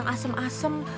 nah saya beli mangga muda